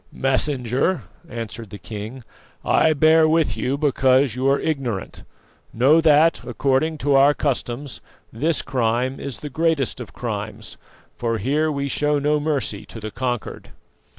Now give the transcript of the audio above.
"Messenger," answered the king, "I bear with you because you are ignorant. Know that, according to our customs, this crime is the greatest of crimes, for here we show no mercy to the conquered."